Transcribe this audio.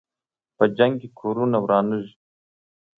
په جنګ کې کورونه ورانېږي.